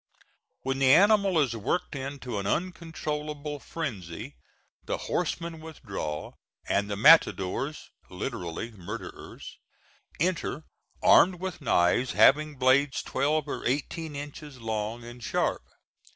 When the animal is worked into an uncontrollable frenzy, the horsemen withdraw, and the matadores literally murderers enter, armed with knives having blades twelve or eighteen inches long, and sharp.